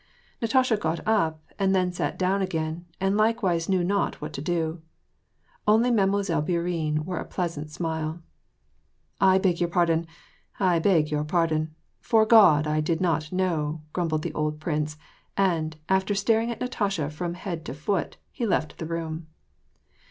Natasha got up and then sat down again, and likewise knew not what to do. Only Mademoiselle Bourienne wore a pleasant smile. " I beg your pardon. I beg your pardon. 'Fore God I did not know," grumbled the old prince, and, after staring at Na tasha from head to foot, he left the room.